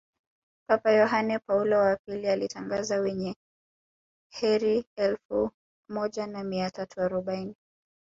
papa yohane paulo wa pili alitangaza Wenye kheri elfu moja na mia tatu arobaini